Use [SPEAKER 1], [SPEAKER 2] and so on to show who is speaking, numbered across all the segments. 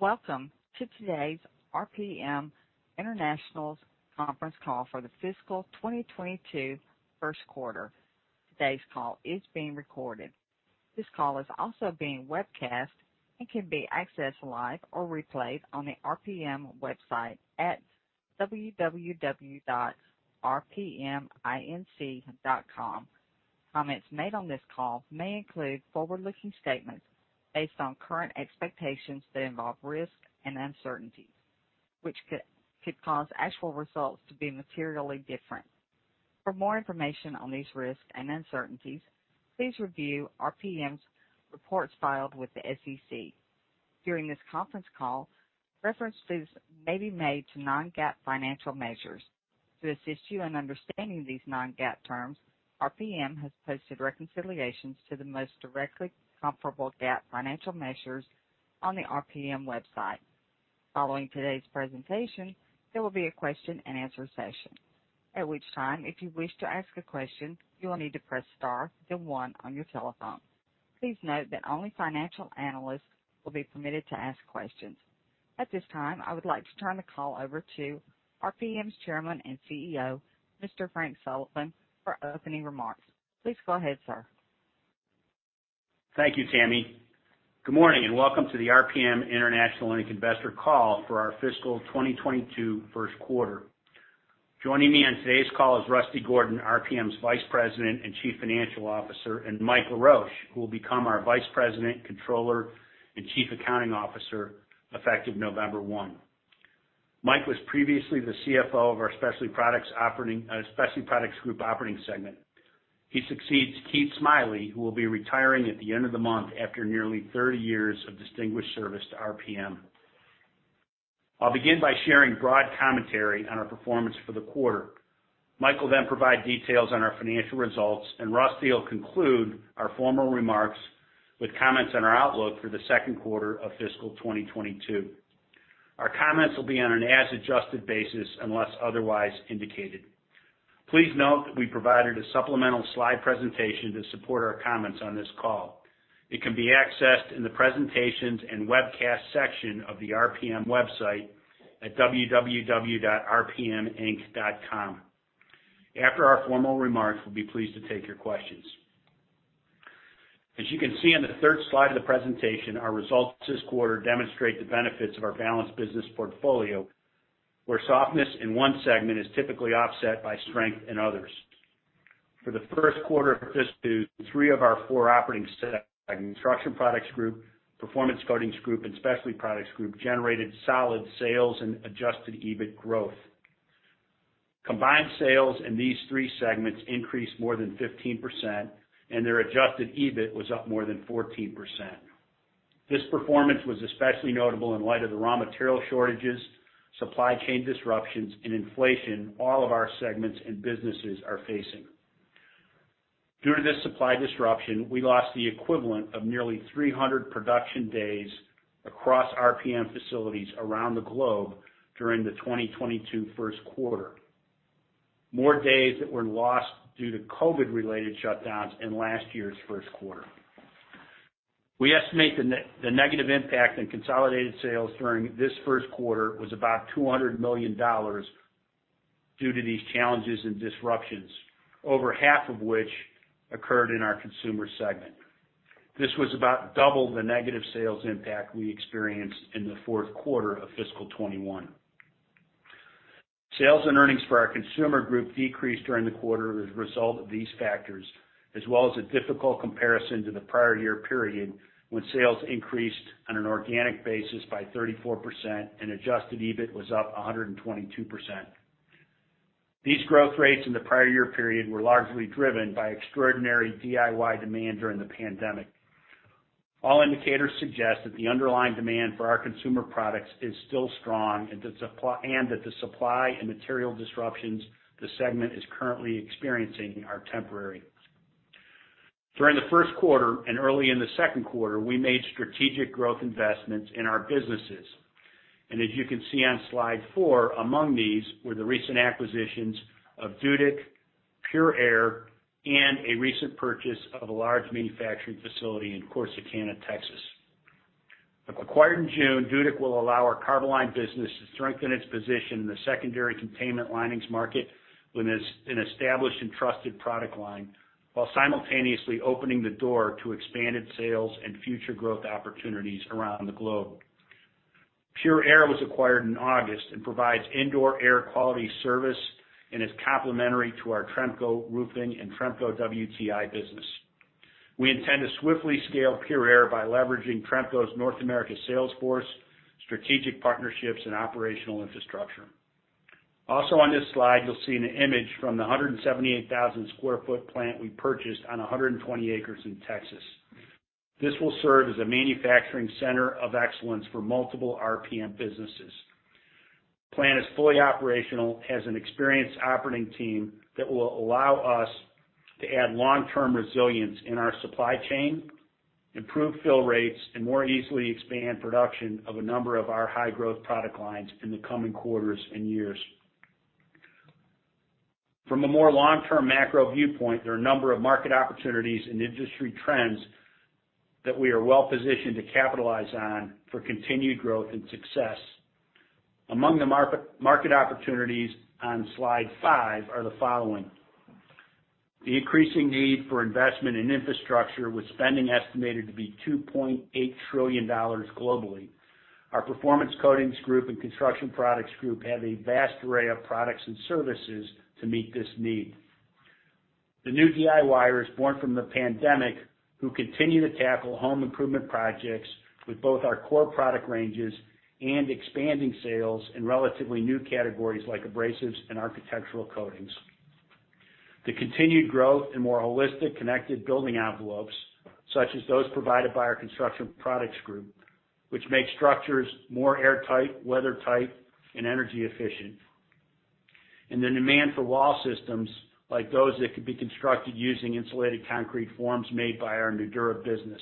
[SPEAKER 1] Welcome to today's RPM International's conference call for the fiscal 2022 first quarter. Today's call is being recorded. This call is also being webcast and can be accessed live or replayed on the RPM website at www.rpminc.com. Comments made on this call may include forward-looking statements based on current expectations that involve risks and uncertainties, which could cause actual results to be materially different. For more information on these risks and uncertainties, please review RPM's reports filed with the SEC. During this conference call, references may be made to non-GAAP financial measures. To assist you in understanding these non-GAAP terms, RPM has posted reconciliations to the most directly comparable GAAP financial measures on the RPM website. Following today's presentation, there will be a Question-and-Answer session. At which time, if you wish to ask a question, you will need to press star then one on your telephone. Please note that only financial analysts will be permitted to ask questions. At this time, I would like to turn the call over to RPM's Chairman and CEO, Mr. Frank Sullivan, for opening remarks. Please go ahead, sir.
[SPEAKER 2] Thank you, Tammy. Good morning. Welcome to the RPM International Earnings Investor Call for our fiscal 2022 first quarter. Joining me on today's call is Rusty Gordon, RPM's Vice President and Chief Financial Officer, and Mike LaRoche, who will become our Vice President, Controller, and Chief Accounting Officer effective November 1. Mike was previously the CFO of our Specialty Products Group operating segment. He succeeds Keith Smiley, who will be retiring at the end of the month after nearly 30 years of distinguished service to RPM. I'll begin by sharing broad commentary on our performance for the quarter. Mike will then provide details on our financial results, and Rusty will conclude our formal remarks with comments on our outlook for the second quarter of fiscal 2022. Our comments will be on an as-adjusted basis unless otherwise indicated. Please note that we provided a supplemental slide presentation to support our comments on this call. It can be accessed in the presentations and webcast section of the RPM website at www.rpminc.com. After our formal remarks, we'll be pleased to take your questions. As you can see on the third slide of the presentation, our results this quarter demonstrate the benefits of our balanced business portfolio, where softness in one segment is typically offset by strength in others. For the first quarter of fiscal 2022, three of our four operating segments, Construction Products Group, Performance Coatings Group, and Specialty Products Group, generated solid sales and adjusted EBIT growth. Combined sales in these three segments increased more than 15%, and their adjusted EBIT was up more than 14%. This performance was especially notable in light of the raw material shortages, supply chain disruptions, and inflation all of our segments and businesses are facing. Due to this supply disruption, we lost the equivalent of nearly 300 production days across RPM facilities around the globe during the 2022 first quarter. More days that were lost due to COVID-related shutdowns in last year's first quarter. We estimate the negative impact on consolidated sales during this first quarter was about $200 million due to these challenges and disruptions, over half of which occurred in our consumer segment. This was about double the negative sales impact we experienced in the fourth quarter of fiscal 2021. Sales and earnings for our Consumer Group decreased during the quarter as a result of these factors, as well as a difficult comparison to the prior year period when sales increased on an organic basis by 34% and adjusted EBIT was up 122%. These growth rates in the prior year period were largely driven by extraordinary DIY demand during the pandemic. All indicators suggest that the underlying demand for our consumer products is still strong and that the supply and material disruptions the segment is currently experiencing are temporary. During the first quarter and early in the second quarter, we made strategic growth investments in our businesses. As you can see on slide four, among these were the recent acquisitions of Dudick, Pure Air, and a recent purchase of a large manufacturing facility in Corsicana, Texas. Acquired in June, Dudick will allow our Carboline business to strengthen its position in the secondary containment linings market with an established and trusted product line, while simultaneously opening the door to expanded sales and future growth opportunities around the globe. Pure Air Control Services, Inc. was acquired in August and provides indoor air quality service and is complementary to our Tremco Roofing and Tremco WTI business. We intend to swiftly scale Pure Air Control Services, Inc. by leveraging Tremco's North America sales force, strategic partnerships, and operational infrastructure. Also on this slide, you'll see an image from the 178,000 square foot plant we purchased on 120 acres in Texas. This will serve as a manufacturing center of excellence for multiple RPM businesses. Plant is fully operational, has an experienced operating team that will allow us to add long-term resilience in our supply chain, improve fill rates, and more easily expand production of a number of our high-growth product lines in the coming quarters and years. From a more long-term macro viewpoint, there are a number of market opportunities and industry trends that we are well-positioned to capitalize on for continued growth and success. Among the market opportunities on slide 5 are the following. The increasing need for investment in infrastructure, with spending estimated to be $2.8 trillion globally. Our Performance Coatings Group and Construction Products Group have a vast array of products and services to meet this need. The new DIYers born from the pandemic, who continue to tackle home improvement projects with both our core product ranges and expanding sales in relatively new categories like abrasives and architectural coatings. The continued growth in more holistic, connected building envelopes, such as those provided by our Construction Products Group, which make structures more airtight, weathertight, and energy efficient. The demand for wall systems like those that could be constructed using insulated concrete forms made by our Nudura business.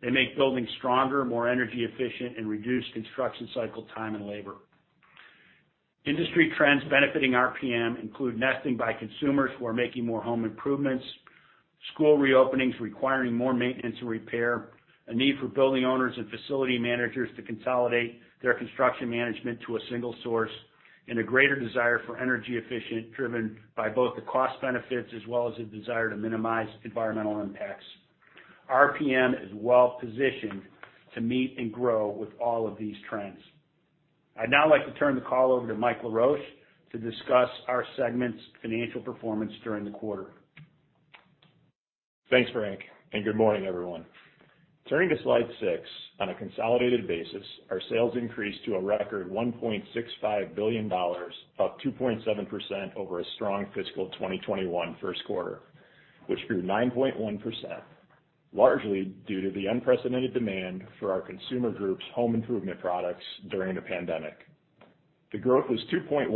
[SPEAKER 2] They make buildings stronger, more energy efficient, and reduce construction cycle time and labor. Industry trends benefiting RPM include nesting by consumers who are making more home improvements, school reopenings requiring more maintenance and repair, a need for building owners and facility managers to consolidate their construction management to a single source, and a greater desire for energy efficient, driven by both the cost benefits as well as a desire to minimize environmental impacts. RPM is well-positioned to meet and grow with all of these trends. I'd now like to turn the call over to Mike Laroche to discuss our segment's financial performance during the quarter.
[SPEAKER 3] Thanks, Frank. Good morning, everyone. Turning to slide six. On a consolidated basis, our sales increased to a record $1.65 billion, up 2.7% over a strong fiscal 2021 first quarter, which grew 9.1%, largely due to the unprecedented demand for our Consumer Group's home improvement products during the pandemic. The growth was 2.1%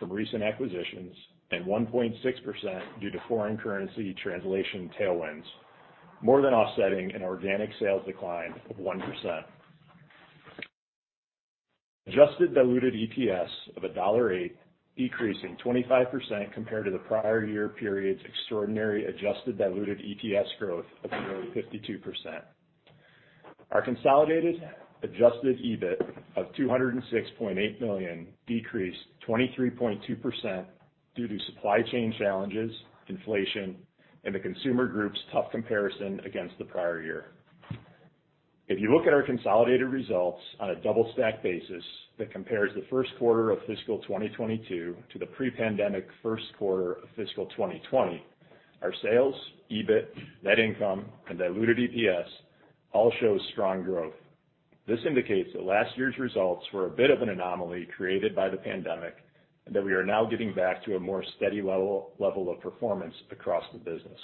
[SPEAKER 3] from recent acquisitions and 1.6% due to foreign currency translation tailwinds, more than offsetting an organic sales decline of 1%. Adjusted diluted EPS of $1.08, decreasing 25% compared to the prior-year period's extraordinary adjusted diluted EPS growth of nearly 52%. Our consolidated adjusted EBIT of $206.8 million decreased 23.2% due to supply chain challenges, inflation, and the Consumer Group's tough comparison against the prior year. If you look at our consolidated results on a double-stacked basis that compares the first quarter of fiscal 2022 to the pre-pandemic first quarter of fiscal 2020, our sales, EBIT, net income, and diluted EPS all show strong growth. This indicates that last year's results were a bit of an anomaly created by the pandemic, and that we are now getting back to a more steady level of performance across the business.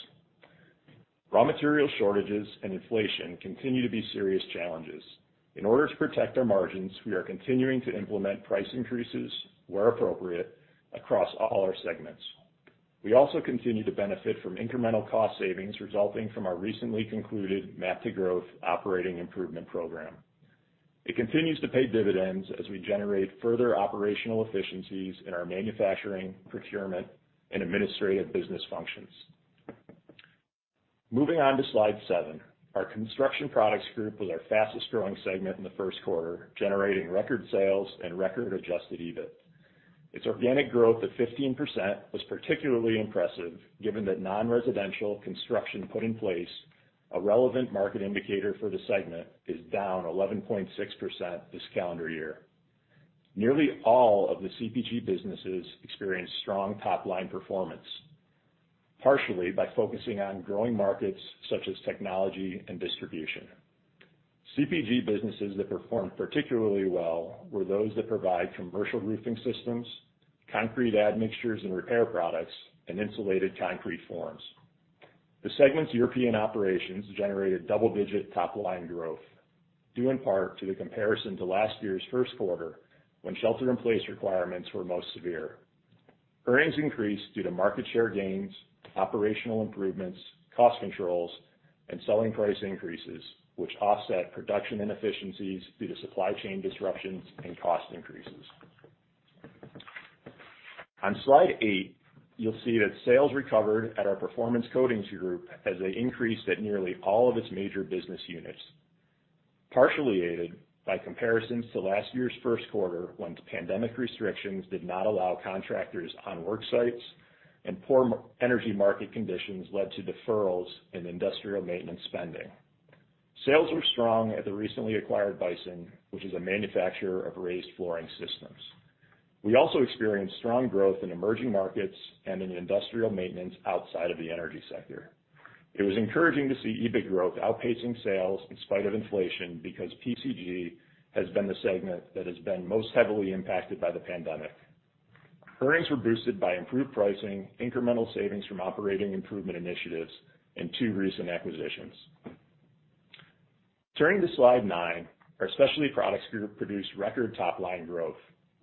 [SPEAKER 3] Raw material shortages and inflation continue to be serious challenges. In order to protect our margins, we are continuing to implement price increases where appropriate across all our segments. We also continue to benefit from incremental cost savings resulting from our recently concluded MAP to Growth operating improvement program. It continues to pay dividends as we generate further operational efficiencies in our manufacturing, procurement, and administrative business functions. Moving on to slide seven. Our Construction Products Group was our fastest-growing segment in the first quarter, generating record sales and record adjusted EBIT. Its organic growth of 15% was particularly impressive given that non-residential construction put in place, a relevant market indicator for the segment, is down 11.6% this calendar year. Nearly all of the CPG businesses experienced strong top-line performance, partially by focusing on growing markets such as technology and distribution. CPG businesses that performed particularly well were those that provide commercial roofing systems, concrete admixtures and repair products, and insulated concrete forms. The segment's European operations generated double-digit top-line growth, due in part to the comparison to last year's first quarter, when shelter-in-place requirements were most severe. Earnings increased due to market share gains, operational improvements, cost controls, and selling price increases, which offset production inefficiencies due to supply chain disruptions and cost increases. On slide eight, you'll see that sales recovered at our Performance Coatings Group as they increased at nearly all of its major business units, partially aided by comparisons to last year's first quarter, when pandemic restrictions did not allow contractors on work sites and poor energy market conditions led to deferrals in industrial maintenance spending. Sales were strong at the recently acquired Bison, which is a manufacturer of raised flooring systems. We also experienced strong growth in emerging markets and in industrial maintenance outside of the energy sector. It was encouraging to see EBIT growth outpacing sales in spite of inflation because PCG has been the segment that has been most heavily impacted by the pandemic. Earnings were boosted by improved pricing, incremental savings from operating improvement initiatives, and two recent acquisitions. Turning to slide nine. Our Specialty Products Group produced record top-line growth,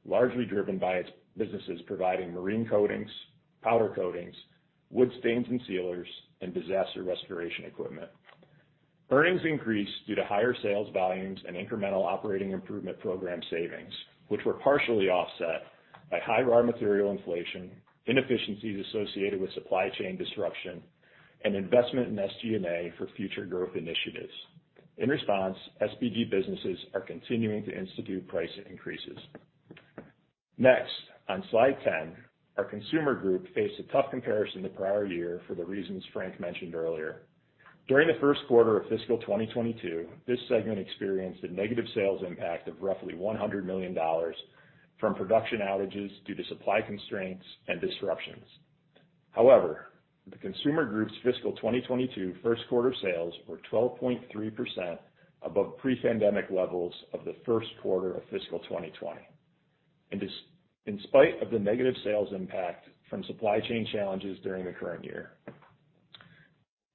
[SPEAKER 3] largely driven by its businesses providing marine coatings, powder coatings, wood stains and sealers, and disaster restoration equipment. Earnings increased due to higher sales volumes and incremental operating improvement program savings, which were partially offset by high raw material inflation, inefficiencies associated with supply chain disruption, and investment in SGA for future growth initiatives. In response, SPG businesses are continuing to institute price increases. Next, on slide 10, our Consumer Group faced a tough comparison the prior year for the reasons Frank mentioned earlier. During the first quarter of fiscal 2022, this segment experienced a negative sales impact of roughly $100 million from production outages due to supply constraints and disruptions. However, the Consumer Group's fiscal 2022 first quarter sales were 12.3% above pre-pandemic levels of the first quarter of fiscal 2020, and in spite of the negative sales impact from supply chain challenges during the current year.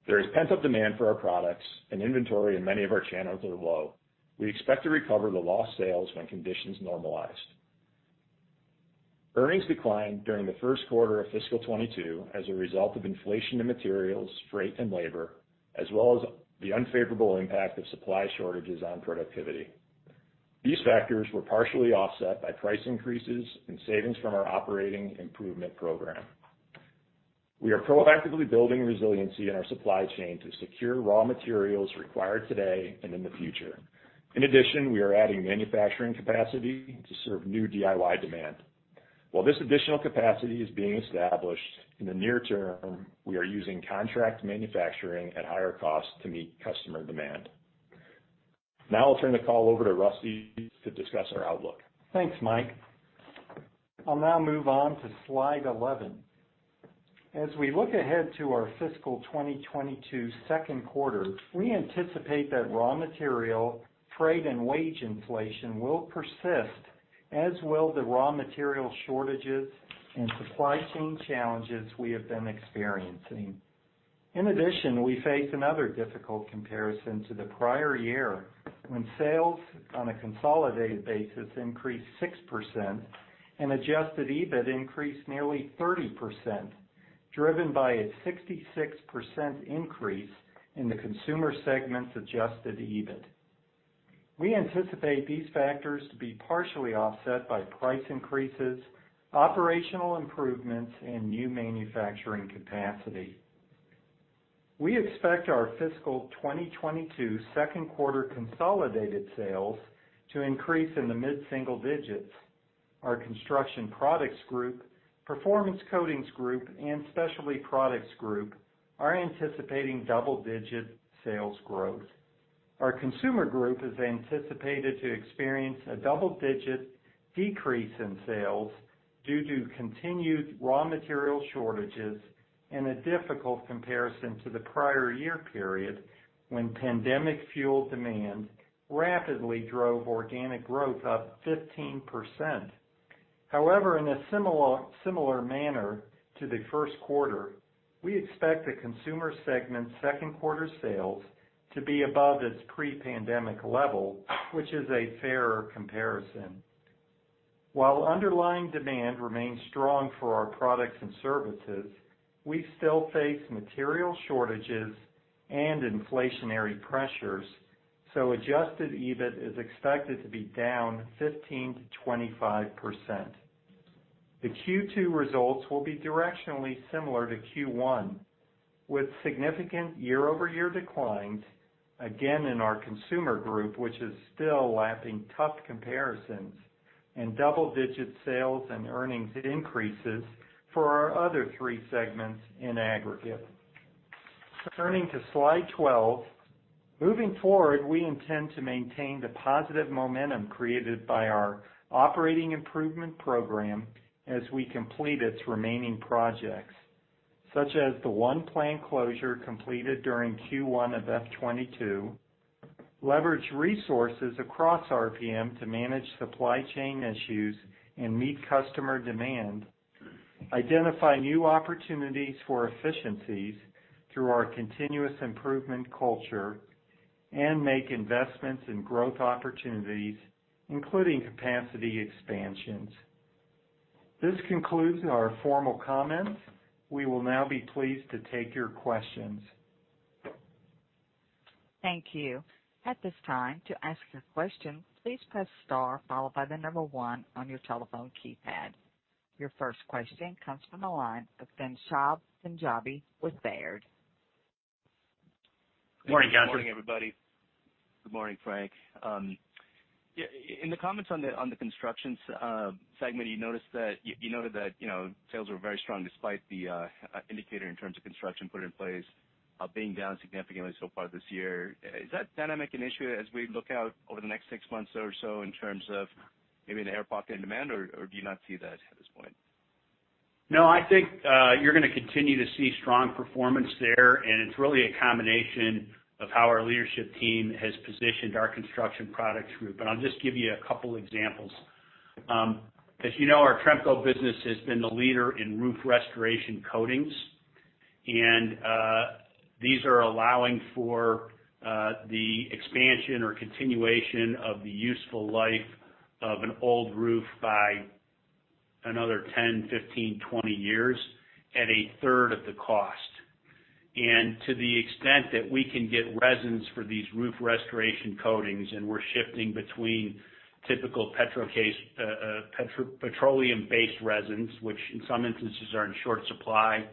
[SPEAKER 3] There is pent-up demand for our products and inventory in many of our channels are low. We expect to recover the lost sales when conditions normalize. Earnings declined during the first quarter of fiscal 2022 as a result of inflation in materials, freight and labor, as well as the unfavorable impact of supply shortages on productivity. These factors were partially offset by price increases and savings from our operating improvement program. We are proactively building resiliency in our supply chain to secure raw materials required today and in the future. In addition, we are adding manufacturing capacity to serve new DIY demand. While this additional capacity is being established, in the near term, we are using contract manufacturing at higher costs to meet customer demand. Now I'll turn the call over to Rusty to discuss our outlook.
[SPEAKER 4] Thanks, Mike. I'll now move on to slide 11. As we look ahead to our fiscal 2022 second quarter, we anticipate that raw material, freight, and wage inflation will persist, as will the raw material shortages and supply chain challenges we have been experiencing. In addition, we face another difficult comparison to the prior year, when sales on a consolidated basis increased 6% and adjusted EBIT increased nearly 30%, driven by a 66% increase in the Consumer Group's adjusted EBIT. We anticipate these factors to be partially offset by price increases, operational improvements, and new manufacturing capacity. We expect our fiscal 2022 second quarter consolidated sales to increase in the mid-single digits. Our Construction Products Group, Performance Coatings Group, and Specialty Products Group are anticipating double-digit sales growth. Our Consumer Group is anticipated to experience a double-digit decrease in sales due to continued raw material shortages and a difficult comparison to the prior year period when pandemic-fueled demand rapidly drove organic growth up 15%. In a similar manner to the first quarter, we expect the Consumer Segment second quarter sales to be above its pre-pandemic level, which is a fairer comparison. While underlying demand remains strong for our products and services, we still face material shortages and inflationary pressures, adjusted EBIT is expected to be down 15%-25%. The Q2 results will be directionally similar to Q1, with significant year-over-year declines, again, in our Consumer Group, which is still lapping tough comparisons and double-digit sales and earnings increases for our other three segments in aggregate. Turning to slide 12. Moving forward, we intend to maintain the positive momentum created by our operating improvement program as we complete its remaining projects, such as the 1 plant closure completed during Q1 of fiscal 2022, leverage resources across RPM to manage supply chain issues and meet customer demand, identify new opportunities for efficiencies through our continuous improvement culture, and make investments in growth opportunities, including capacity expansions. This concludes our formal comments. We will now be pleased to take your questions.
[SPEAKER 1] Thank you. At this time, to ask a question, please press star followed by one on your telephone keypad. Your first question comes from the line of Ghansham Panjabi with Baird.
[SPEAKER 2] Morning, Ghansham.
[SPEAKER 5] Good morning, everybody. Good morning, Frank. In the comments on the Construction segment, you noted that sales were very strong despite the indicator in terms of construction put in place being down significantly so far this year. Is that dynamic an issue as we look out over the next six months or so in terms of maybe the air pocket demand, or do you not see that at this point?
[SPEAKER 2] No, I think you're going to continue to see strong performance there, and it's really a combination of how our leadership team has positioned our Construction Products Group. I'll just give you a couple examples. As you know, our Tremco business has been the leader in roof restoration coatings, and these are allowing for the expansion or continuation of the useful life of an old roof by Another 10, 15, 20 years at a third of the cost. To the extent that we can get resins for these roof restoration coatings, and we're shifting between typical petroleum-based resins, which in some instances are in short supply,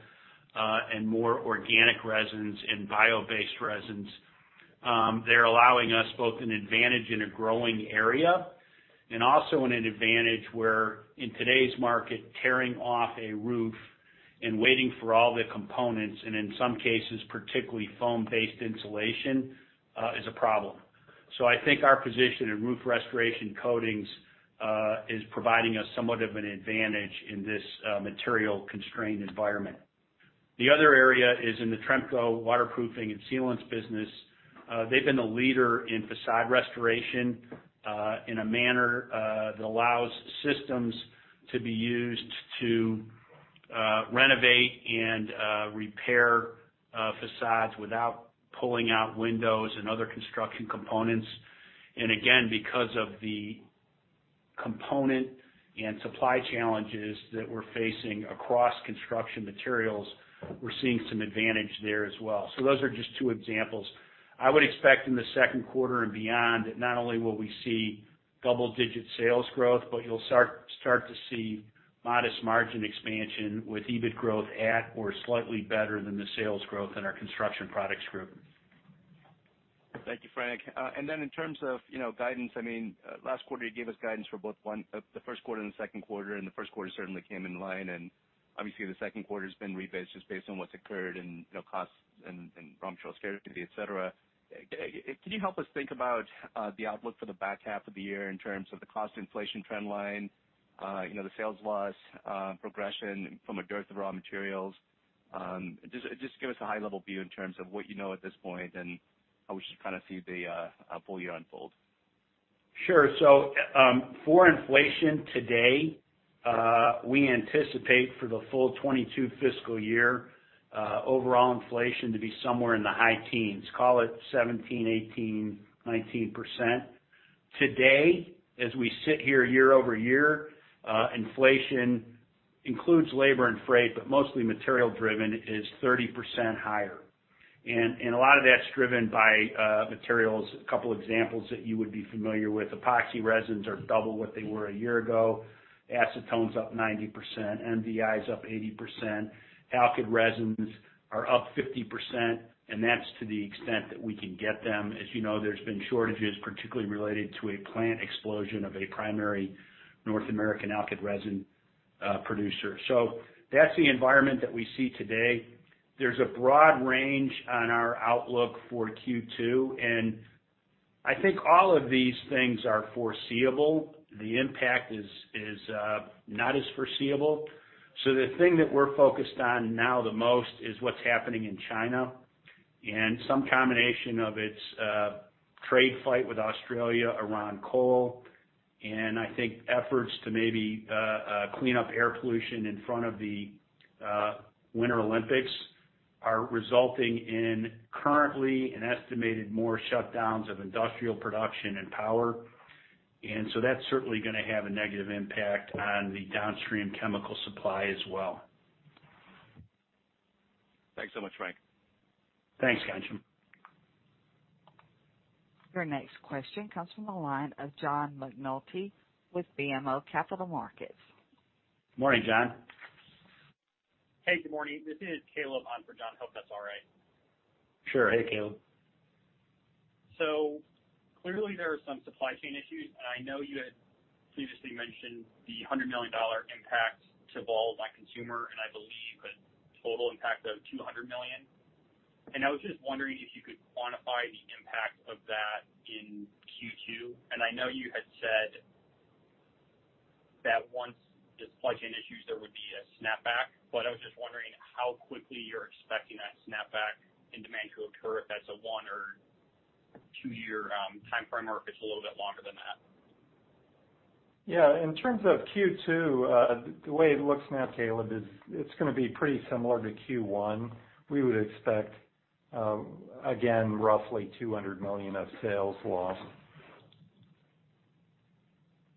[SPEAKER 2] and more organic resins and bio-based resins, they're allowing us both an advantage in a growing area and also in an advantage where, in today's market, tearing off a roof and waiting for all the components, and in some cases, particularly foam-based insulation, is a problem. I think our position in roof restoration coatings is providing us somewhat of an advantage in this material-constrained environment. The other area is in the Tremco waterproofing and sealants business. They've been the leader in facade restoration in a manner that allows systems to be used to renovate and repair facades without pulling out windows and other construction components. Again, because of the component and supply challenges that we're facing across construction materials, we're seeing some advantage there as well. Those are just two examples. I would expect in the second quarter and beyond that not only will we see double-digit sales growth, but you'll start to see modest margin expansion with EBIT growth at or slightly better than the sales growth in our Construction Products Group.
[SPEAKER 5] Thank you, Frank. In terms of guidance, last quarter, you gave us guidance for both the first quarter and the second quarter, and the first quarter certainly came in line. Obviously, the second quarter has been rebased just based on what's occurred in costs and raw materials scarcity, et cetera. Can you help us think about the outlook for the back half of the year in terms of the cost inflation trend line, the sales loss progression from a dearth of raw materials? Just give us a high-level view in terms of what you know at this point and how we should see the full year unfold.
[SPEAKER 2] Sure. For inflation today, we anticipate for the full 2022 fiscal year, overall inflation to be somewhere in the high teens, call it 17%-19%. Today, as we sit here year-over-year, inflation includes labor and freight, but mostly material-driven, is 30% higher. A lot of that's driven by materials. A couple examples that you would be familiar with, epoxy resins are double what they were a year ago. Acetone is up 90%, MDI is up 80%, alkyd resins are up 50%, and that's to the extent that we can get them. As you know, there's been shortages, particularly related to a plant explosion of a primary North American alkyd resin producer. That's the environment that we see today. There's a broad range on our outlook for Q2, and I think all of these things are foreseeable. The impact is not as foreseeable. The thing that we're focused on now the most is what's happening in China, and some combination of its trade fight with Australia around coal. I think efforts to maybe clean up air pollution in front of the Winter Olympics are resulting in currently an estimated more shutdowns of industrial production and power. That's certainly going to have a negative impact on the downstream chemical supply as well.
[SPEAKER 5] Thanks so much, Frank.
[SPEAKER 2] Thanks, Ghansham.
[SPEAKER 1] Your next question comes from the line of John McNulty with BMO Capital Markets.
[SPEAKER 2] Morning, John.
[SPEAKER 6] Hey, good morning. This is Caleb on for John. Hope that's all right.
[SPEAKER 2] Sure. Hey, Caleb.
[SPEAKER 6] Clearly, there are some supply chain issues. I know you had previously mentioned the $100 million impact to vol by consumer, and I believe a total impact of $200 million. I was just wondering if you could quantify the impact of that in Q2. I know you had said that once the supply chain issues, there would be a snapback, but I was just wondering how quickly you're expecting that snapback in demand to occur, if that's a one- or two-year-time frame, or if it's a little bit longer than that.
[SPEAKER 2] In terms of Q2, the way it looks now, Caleb, is it's going to be pretty similar to Q1. We would expect, again, roughly $200 million of sales lost.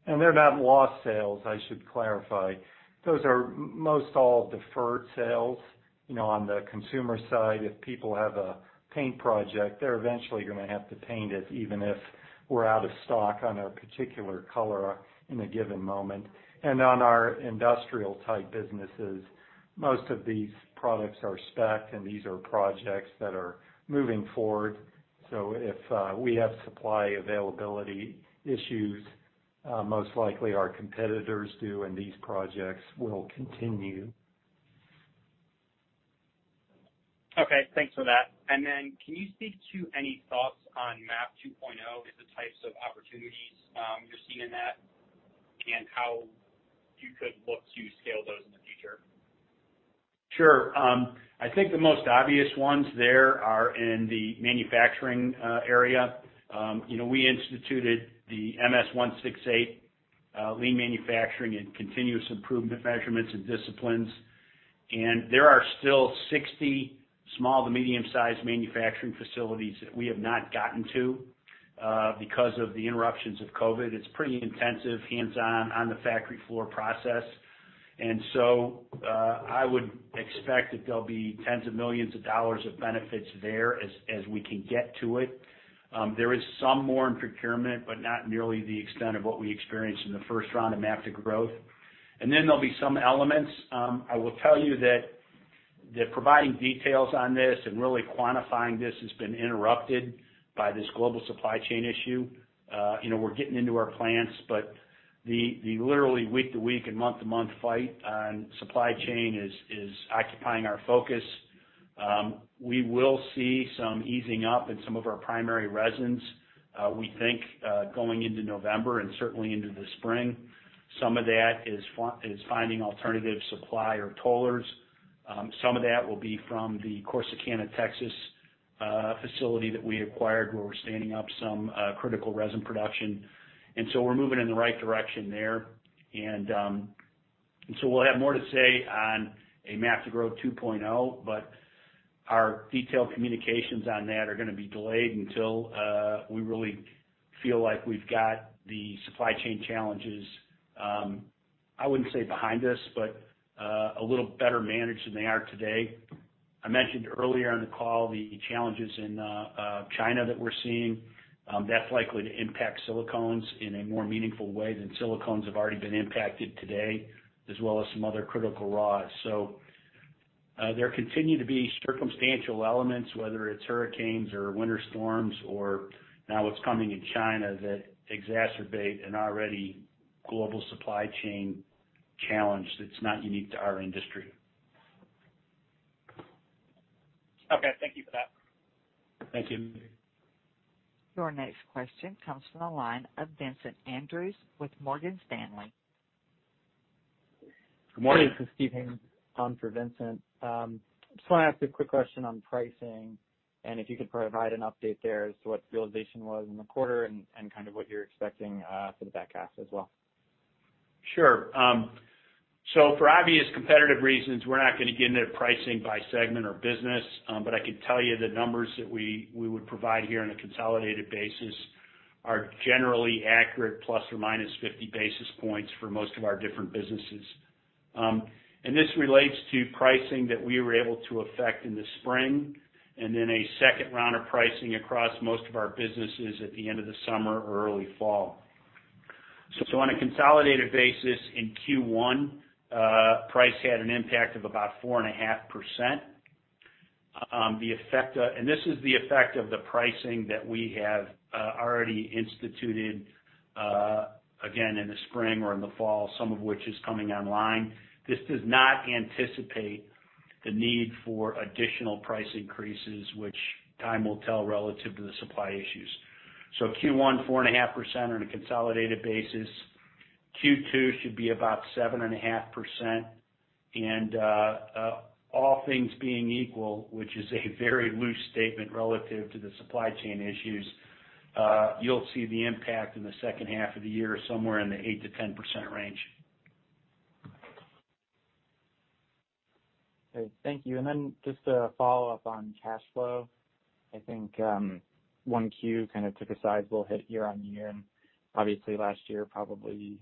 [SPEAKER 2] They're not lost sales, I should clarify. Those are most all deferred sales. On the Consumer side, if people have a paint project, they're eventually going to have to paint it, even if we're out of stock on a particular color in a given moment. On our industrial type businesses, most of these products are spec'd, and these are projects that are moving forward. If we have supply availability issues, most likely our competitors do, and these projects will continue.
[SPEAKER 6] Okay. Thanks for that. Can you speak to any thoughts on MAP 2.0 and the types of opportunities you're seeing in that, and how you could look to scale those in the future?
[SPEAKER 2] Sure. I think the most obvious ones there are in the manufacturing area. We instituted the MS-168 lean manufacturing and continuous improvement measurements and disciplines. There are still 60 small to medium-sized manufacturing facilities that we have not gotten to because of the interruptions of COVID. It's pretty intensive, hands-on, on the factory floor process. I would expect that there'll be tens of millions of dollars of benefits there as we can get to it. There is some more in procurement, but not nearly the extent of what we experienced in the first round of MAP to Growth. There'll be some elements. I will tell you that providing details on this and really quantifying this has been interrupted by this global supply chain issue. We're getting into our plants, but the literally week to week and month to month fight on supply chain is occupying our focus. We will see some easing up in some of our primary resins, we think, going into November and certainly into the spring. Some of that is finding alternative supply or tollers. Some of that will be from the Corsicana, Texas facility that we acquired, where we're standing up some critical resin production. We're moving in the right direction there. We'll have more to say on a MAP to Growth 2.0, but our detailed communications on that are going to be delayed until we really feel like we've got the supply chain challenges, I wouldn't say behind us, but a little better managed than they are today. I mentioned earlier on the call the challenges in China that we're seeing. That's likely to impact silicones in a more meaningful way than silicones have already been impacted today, as well as some other critical raws. There continue to be circumstantial elements, whether it's hurricanes or winter storms or now what's coming in China, that exacerbate an already global supply chain challenge that's not unique to our industry.
[SPEAKER 6] Okay. Thank you for that.
[SPEAKER 2] Thank you.
[SPEAKER 1] Your next question comes from the line of Vincent Andrews with Morgan Stanley.
[SPEAKER 7] Good morning. This is Steven Haynes on for Vincent. Just want to ask a quick question on pricing, and if you could provide an update there as to what the realization was in the quarter and kind of what you're expecting for the back half as well?
[SPEAKER 2] Sure. For obvious competitive reasons, we're not going to get into pricing by segment or business. I can tell you the numbers that we would provide here on a consolidated basis are generally accurate ±50 basis points for most of our different businesses. This relates to pricing that we were able to affect in the spring and then a second round of pricing across most of our businesses at the end of the summer or early fall. On a consolidated basis in Q1, price had an impact of about 4.5%. This is the effect of the pricing that we have already instituted, again, in the spring or in the fall, some of which is coming online. This does not anticipate the need for additional price increases, which time will tell relative to the supply issues. Q1, 4.5% on a consolidated basis. Q2 should be about 7.5%. All things being equal, which is a very loose statement relative to the supply chain issues, you'll see the impact in the second half of the year somewhere in the 8%-10% range.
[SPEAKER 7] Okay. Thank you. Then just a follow-up on cash flow. I think 1Q kind of took a sizable hit year on year, and obviously last year probably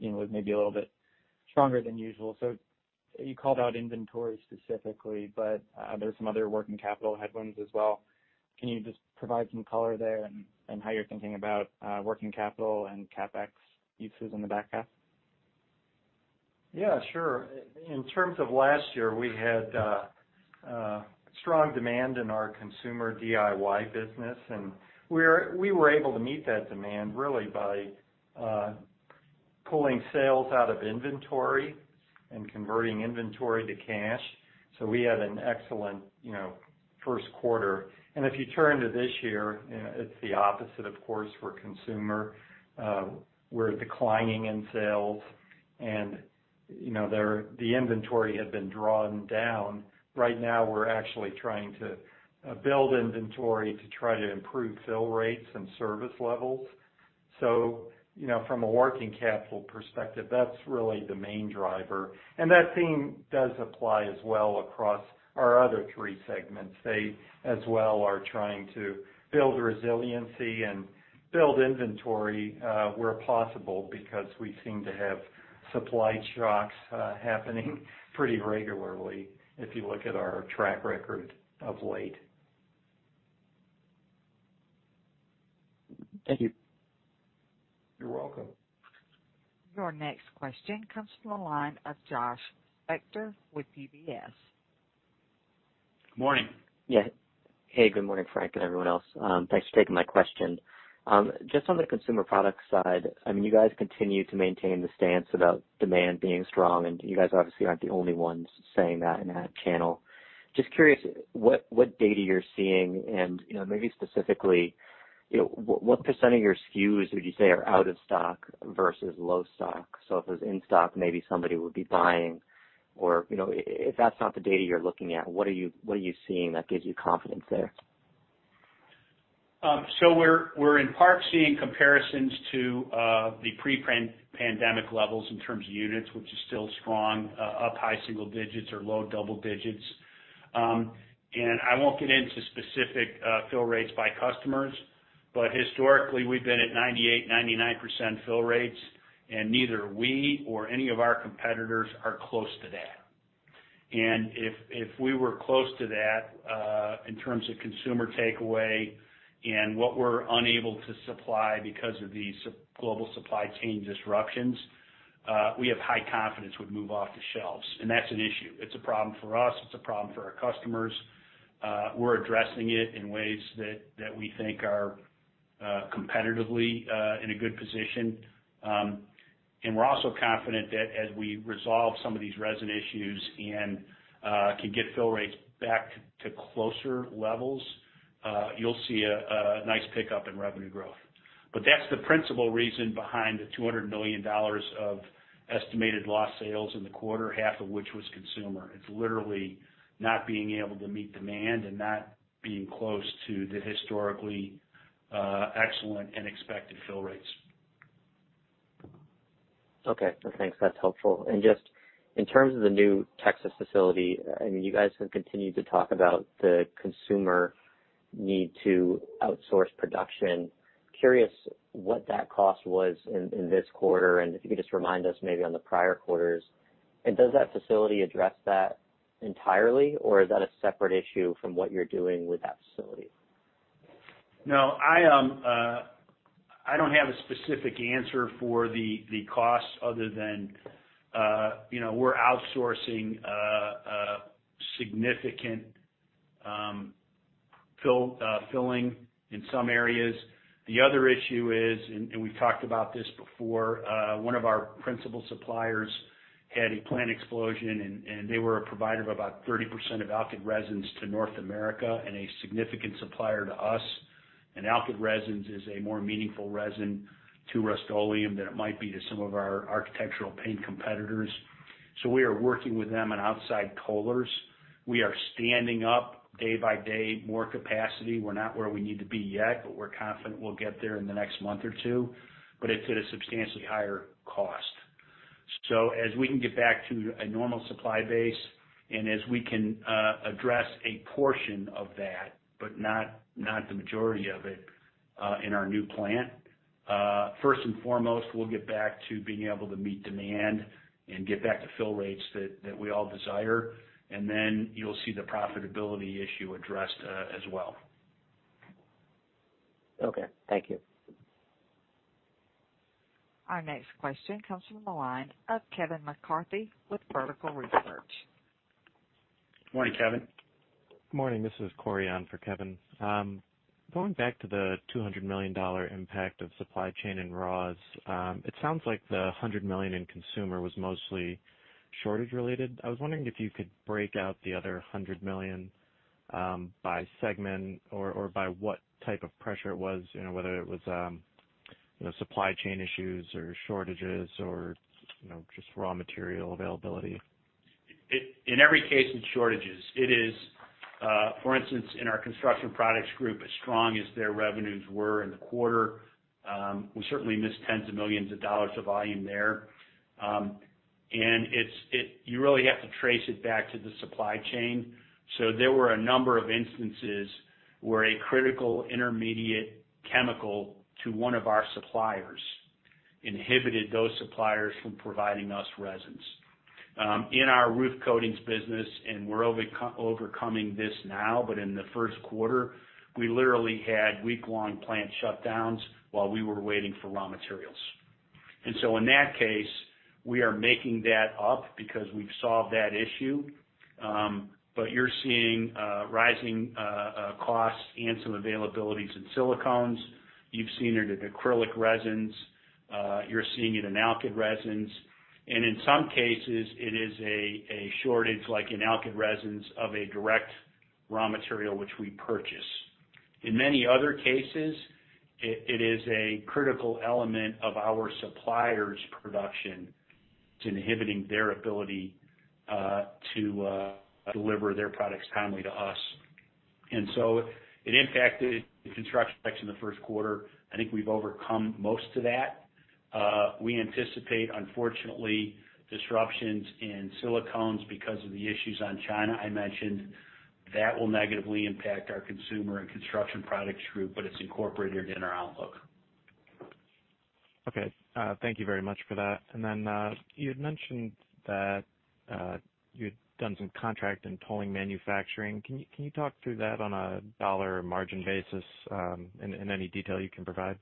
[SPEAKER 7] was maybe a little bit stronger than usual. You called out inventory specifically, but there's some other working capital headwinds as well. Can you just provide some color there and how you're thinking about working capital and CapEx uses in the back half?
[SPEAKER 4] Yeah, sure. In terms of last year, we had strong demand in our Consumer DIY business, we were able to meet that demand really by pulling sales out of inventory and converting inventory to cash. We had an excellent first quarter. If you turn to this year, it's the opposite, of course, for Consumer. We're declining in sales, the inventory had been drawn down. Right now, we're actually trying to build inventory to try to improve fill rates and service levels. From a working capital perspective, that's really the main driver. That theme does apply as well across our other three segments. They as well are trying to build resiliency and build inventory where possible because we seem to have supply shocks happening pretty regularly if you look at our track record of late.
[SPEAKER 7] Thank you.
[SPEAKER 4] You're welcome.
[SPEAKER 1] Your next question comes from the line of Josh Spector with UBS.
[SPEAKER 2] Good morning.
[SPEAKER 8] Yeah. Hey, good morning, Frank, and everyone else. Thanks for taking my question. Just on the consumer products side, you guys continue to maintain the stance about demand being strong, and you guys obviously aren't the only ones saying that in that channel. Just curious what data you're seeing and maybe specifically, what % of your SKUs would you say are out of stock versus low stock? So, if it was in stock, maybe somebody would be buying, or if that's not the data you're looking at, what are you seeing that gives you confidence there?
[SPEAKER 2] We're in part seeing comparisons to the pre-pandemic levels in terms of units, which is still strong, up high single digits or low double digits. I won't get into specific fill rates by customers, but historically, we've been at 98%-99% fill rates, and neither we or any of our competitors are close to that. If we were close to that in terms of consumer takeaway and what we're unable to supply because of these global supply chain disruptions, we have high confidence would move off the shelves. That's an issue. It's a problem for us. It's a problem for our customers. We're addressing it in ways that we think are competitively in a good position. We're also confident that as we resolve some of these resin issues and can get fill rates back to closer levels, you'll see a nice pickup in revenue growth. That's the principal reason behind the $200 million of estimated lost sales in the quarter, half of which was consumer. It's literally not being able to meet demand and not being close to the historically excellent and expected fill rates.
[SPEAKER 8] Okay. Thanks. That's helpful. Just in terms of the new Texas facility, you guys have continued to talk about the consumer need to outsource production. Curious what that cost was in this quarter, and if you could just remind us maybe on the prior quarters. Does that facility address that entirely, or is that a separate issue from what you're doing with that facility?
[SPEAKER 2] No, I don't have a specific answer for the cost other than we're outsourcing significant filling in some areas. The other issue is, and we've talked about this before, one of our principal suppliers had a plant explosion, and they were a provider of about 30% of alkyd resins to North America and a significant supplier to us. Alkyd resins is a more meaningful resin to Rust-Oleum than it might be to some of our architectural paint competitors. We are working with them and outside tollers. We are standing up day by day, more capacity. We're not where we need to be yet, but we're confident we'll get there in the next month or two, but it's at a substantially higher cost. As we can get back to a normal supply base, and as we can address a portion of that, but not the majority of it, in our new plant. First and foremost, we will get back to being able to meet demand and get back to fill rates that we all desire. Then you will see the profitability issue addressed as well.
[SPEAKER 8] Okay. Thank you.
[SPEAKER 1] Our next question comes from the line of Kevin McCarthy with Vertical Research.
[SPEAKER 2] Morning, Kevin.
[SPEAKER 9] Morning, this is Cory on for Kevin. Going back to the $200 million impact of supply chain and raws, it sounds like the $100 million in Consumer was mostly shortage related. I was wondering if you could break out the other $100 million by segment or by what type of pressure it was, whether it was supply chain issues or shortages or just raw material availability.
[SPEAKER 2] In every case, it's shortages. It is, for instance, in our Construction Products Group, as strong as their revenues were in the quarter, we certainly missed tens of millions of dollars of volume there. You really have to trace it back to the supply chain. There were a number of instances where a critical intermediate chemical to one of our suppliers inhibited those suppliers from providing us resins. In our roof coatings business, and we're overcoming this now, but in the first quarter, we literally had week-long plant shutdowns while we were waiting for raw materials. In that case, we are making that up because we've solved that issue. You're seeing rising costs and some availabilities in silicones. You've seen it in acrylic resins. You're seeing it in alkyd resins. In some cases, it is a shortage, like in alkyd resins, of a direct raw material which we purchase. In many other cases, it is a critical element of our supplier's production. It is inhibiting their ability to deliver their products timely to us. It impacted the construction specs in the first quarter. I think we have overcome most of that. We anticipate, unfortunately, disruptions in silicones because of the issues on China I mentioned. That will negatively impact our Consumer and Construction Products Group, but it is incorporated in our outlook.
[SPEAKER 9] Okay. Thank you very much for that. You had mentioned that you'd done some contract and tolling manufacturing. Can you talk through that on a dollar margin basis in any detail you can provide?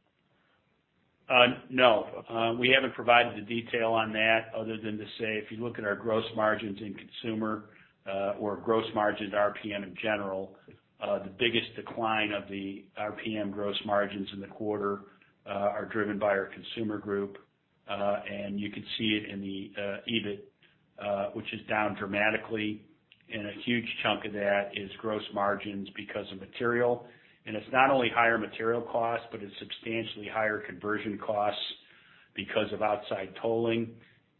[SPEAKER 2] No. We haven't provided the detail on that other than to say, if you look at our gross margins in Consumer or gross margins RPM in general, the biggest decline of the RPM gross margins in the quarter are driven by our Consumer Group. You can see it in the EBIT, which is down dramatically. A huge chunk of that is gross margins because of material. It's not only higher material costs, but it's substantially higher conversion costs because of outside tolling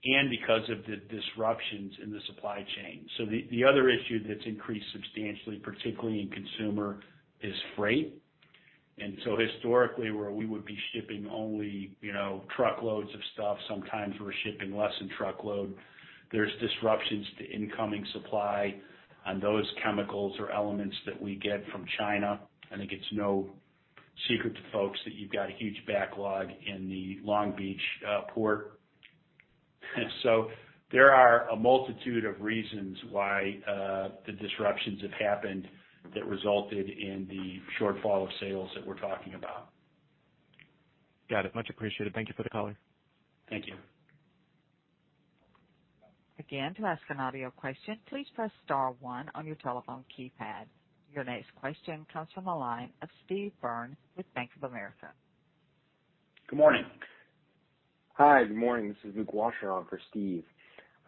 [SPEAKER 2] and because of the disruptions in the supply chain. The other issue that's increased substantially, particularly in Consumer Group, is freight. Historically, where we would be shipping only truckloads of stuff, sometimes we're shipping less than truckload. There's disruptions to incoming supply on those chemicals or elements that we get from China. I think it's no secret to folks that you've got a huge backlog in the Long Beach port. There are a multitude of reasons why the disruptions have happened that resulted in the shortfall of sales that we're talking about.
[SPEAKER 9] Got it. Much appreciated. Thank you for the color.
[SPEAKER 2] Thank you.
[SPEAKER 1] Your next question comes from the line of Steve Byrne with Bank of America.
[SPEAKER 2] Good morning.
[SPEAKER 10] Hi, good morning. This is Luke Washer on for Steve.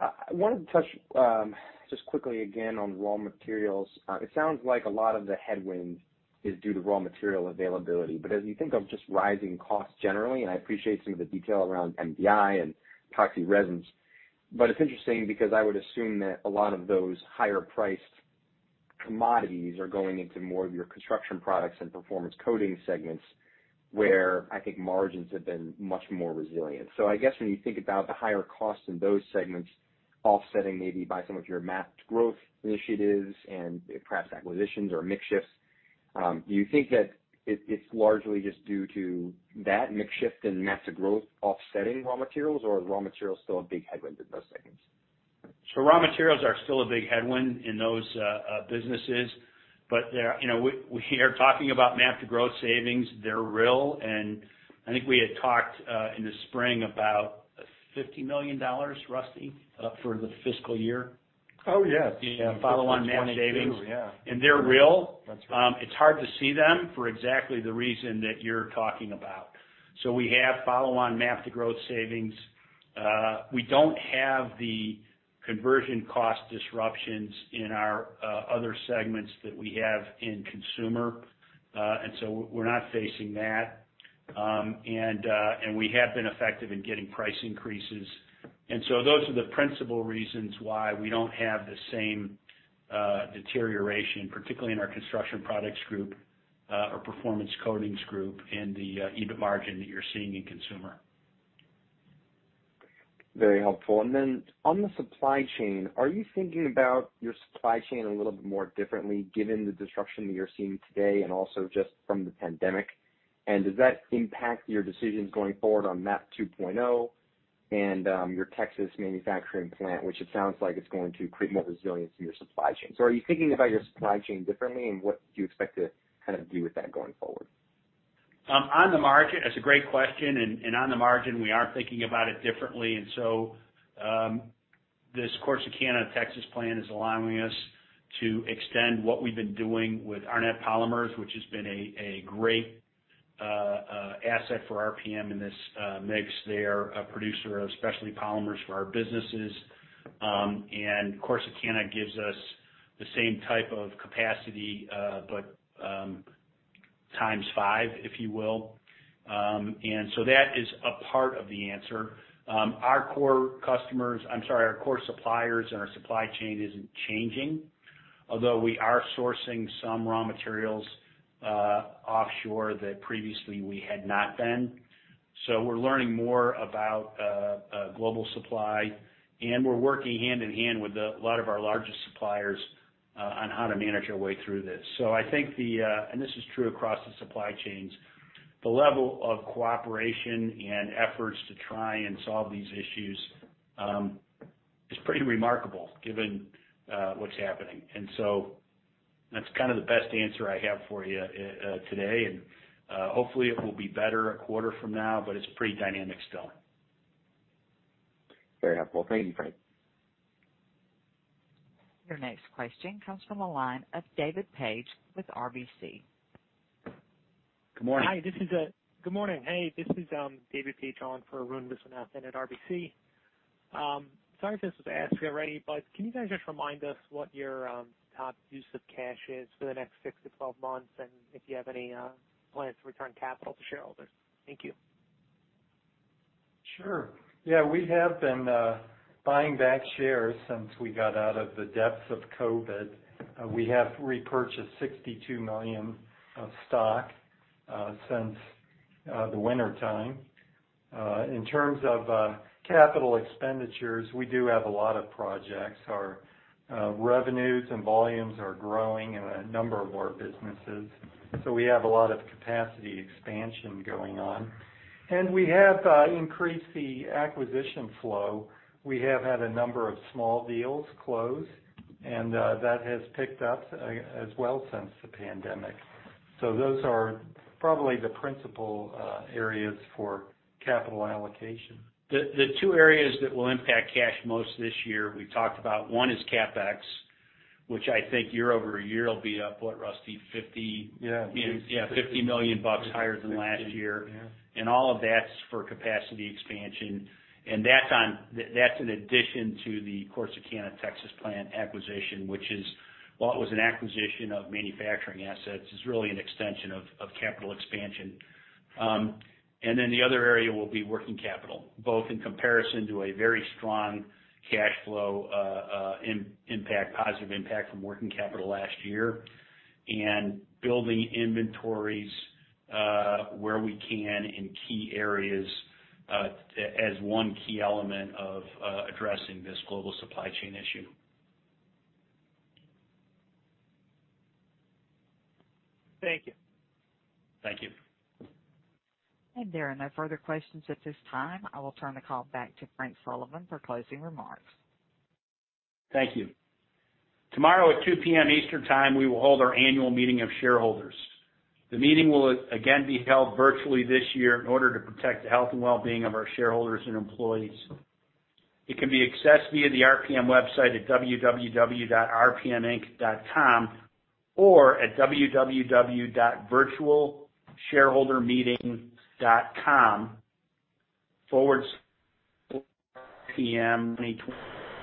[SPEAKER 10] I wanted to touch just quickly again on raw materials. It sounds like a lot of the headwind is due to raw material availability, but as you think of just rising costs generally, and I appreciate some of the detail around MDI and epoxy resins, but it's interesting because I would assume that a lot of those higher priced commodities are going into more of your Construction Products Group and Performance Coatings Group segments, where I think margins have been much more resilient. I guess when you think about the higher costs in those segments offsetting maybe by some of your MAP to Growth initiatives and perhaps acquisitions or mix shifts, do you think that it's largely just due to that mix shift and MAP to Growth offsetting raw materials, or are raw materials still a big headwind in those segments?
[SPEAKER 2] Raw materials are still a big headwind in those businesses. We are talking about MAP to Growth savings. They're real, and I think we had talked in the spring about $50 million, Rusty, for the fiscal year?
[SPEAKER 4] Oh, yes.
[SPEAKER 2] Follow on MAP savings.
[SPEAKER 4] Yeah.
[SPEAKER 2] They're real.
[SPEAKER 4] That's right.
[SPEAKER 2] It's hard to see them for exactly the reason that you're talking about. We have follow on MAP to Growth savings. We don't have the conversion cost disruptions in our other segments that we have in consumer. We're not facing that. We have been effective in getting price increases. Those are the principal reasons why we don't have the same deterioration, particularly in our Construction Products Group, or Performance Coatings Group in the EBIT margin that you're seeing in consumer.
[SPEAKER 10] Very helpful. On the supply chain, are you thinking about your supply chain a little bit more differently given the disruption that you're seeing today and also just from the pandemic? Does that impact your decisions going forward on MAP 2.0 and your Texas manufacturing plant, which it sounds like it's going to create more resilience in your supply chain? Are you thinking about your supply chain differently, and what do you expect to kind of do with that going forward?
[SPEAKER 2] That's a great question. On the margin, we are thinking about it differently. This Corsicana, Texas plant is allowing us to extend what we've been doing with Arnette Polymers, which has been a great asset for RPM in this mix. They're a producer of specialty polymers for our businesses. Corsicana gives us the same type of capacity, but x5, if you will. That is a part of the answer. Our core suppliers and our supply chain isn't changing, although we are sourcing some raw materials offshore that previously we had not been. We're learning more about global supply, and we're working hand in hand with a lot of our largest suppliers on how to manage our way through this. This is true across the supply chains. The level of cooperation and efforts to try and solve these issues is pretty remarkable given what's happening. That's kind of the best answer I have for you today. Hopefully it will be better a quarter from now, but it's pretty dynamic still.
[SPEAKER 10] Very helpful. Thank you, Frank.
[SPEAKER 1] Your next question comes from the line of David Paige with RBC.
[SPEAKER 2] Good morning.
[SPEAKER 11] Hi, this is David Paige on for Arun Viswanathan at RBC. Sorry if this was asked already. Can you guys just remind us what your top use of cash is for the next 6-12 months, and if you have any plans to return capital to shareholders? Thank you.
[SPEAKER 4] Sure. Yeah, we have been buying back shares since we got out of the depths of COVID. We have repurchased $62 million of stock since the wintertime. In terms of capital expenditures, we do have a lot of projects. Our revenues and volumes are growing in a number of our businesses. We have a lot of capacity expansion going on. We have increased the acquisition flow. We have had a number of small deals close, and that has picked up as well since the pandemic. Those are probably the principal areas for capital allocation.
[SPEAKER 2] The two areas that will impact cash most this year we've talked about, one is CapEx, which I think year-over-year will be up, what, Rusty? $50 million?
[SPEAKER 4] Yeah.
[SPEAKER 2] Yeah, $50 million higher than last year.
[SPEAKER 4] Yeah.
[SPEAKER 2] All of that's for capacity expansion. That's an addition to the Corsicana, Texas plant acquisition, which while it was an acquisition of manufacturing assets, is really an extension of capital expansion. The other area will be working capital, both in comparison to a very strong cash flow impact, positive impact from working capital last year and building inventories where we can in key areas as one key element of addressing this global supply chain issue.
[SPEAKER 11] Thank you.
[SPEAKER 2] Thank you.
[SPEAKER 1] There are no further questions at this time. I will turn the call back to Frank Sullivan for closing remarks.
[SPEAKER 2] Thank you. Tomorrow at 2:00 P.M. Eastern Time, we will hold our annual meeting of shareholders. The meeting will again be held virtually this year in order to protect the health and wellbeing of our shareholders and employees. It can be accessed via the RPM website at www.rpminc.com or at www.virtualshareholdermeeting.com/RPM2021.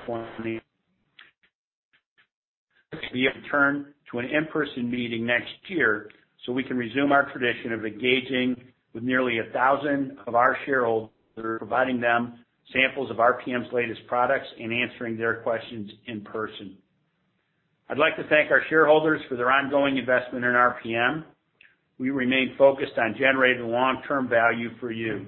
[SPEAKER 2] We hope to return to an in-person meeting next year so we can resume our tradition of engaging with nearly 1,000 of our shareholders, providing them samples of RPM's latest products and answering their questions in person. I'd like to thank our shareholders for their ongoing investment in RPM. We remain focused on generating long-term value for you.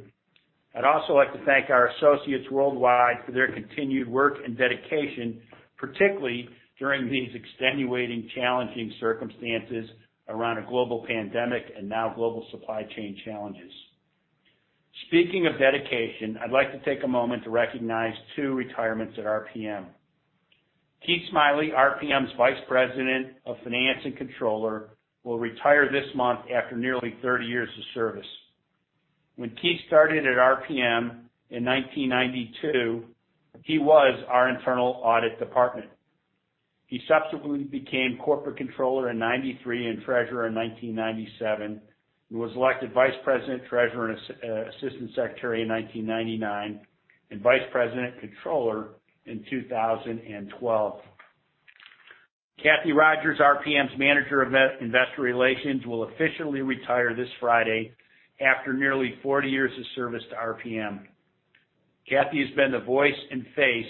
[SPEAKER 2] I'd also like to thank our associates worldwide for their continued work and dedication, particularly during these extenuating, challenging circumstances around a global pandemic and now global supply chain challenges. Speaking of dedication, I'd like to take a moment to recognize two retirements at RPM. Keith Smiley, RPM's Vice President of Finance and Controller, will retire this month after nearly 30 years of service. When Keith started at RPM in 1992, he was our internal audit department. He subsequently became Corporate Controller in 1993 and Treasurer in 1997 and was elected Vice President Treasurer and Assistant Secretary in 1999 and Vice President Controller in 2012. Kathie Rogers, RPM's Manager of Investor Relations, will officially retire this Friday after nearly 40 years of service to RPM. Kathie has been the voice and face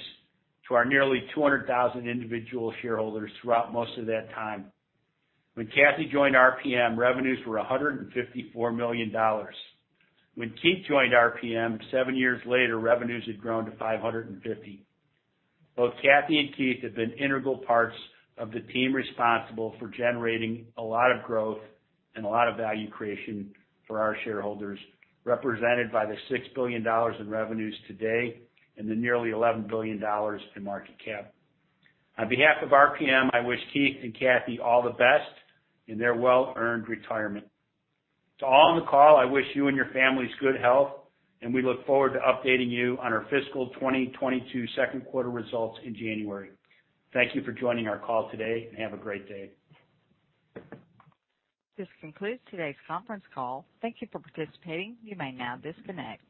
[SPEAKER 2] to our nearly 200,000 individual shareholders throughout most of that time. When Kathie joined RPM, revenues were $154 million. When Keith joined RPM seven years later, revenues had grown to $550 million. Both Kathie and Keith have been integral parts of the team responsible for generating a lot of growth and a lot of value creation for our shareholders, represented by the $6 billion in revenues today and the nearly $11 billion in market cap. On behalf of RPM, I wish Keith and Kathie all the best in their well-earned retirement. To all on the call, I wish you and your families good health, and we look forward to updating you on our fiscal 2022 second quarter results in January. Thank you for joining our call today, and have a great day.
[SPEAKER 1] This concludes today's conference call. Thank you for participating. You may now disconnect.